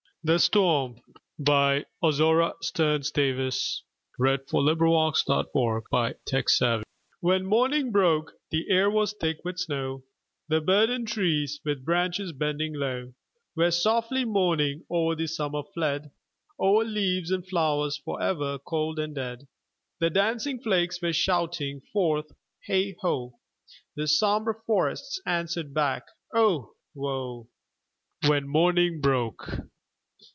C D . E F . G H . I J . K L . M N . O P . Q R . S T . U V . W X . Y Z The Storm When morning broke, the air was thick with snow; The burdened trees, with branches bending low, Were softly mourning o'er the summer fled, O'er leaves and flowers forever cold and dead. The dancing flakes were shouting forth "Heigh ho;" The sombre forests answered back, "Oh, woe!" When morning broke.